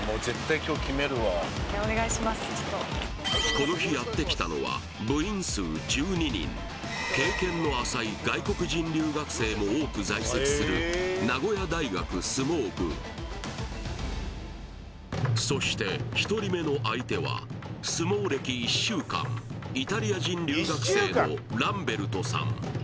この日やってきたのは経験の浅い外国人留学生も多く在籍する名古屋大学相撲部そして１人目の相手は相撲歴１週間イタリア人留学生のランベルトさん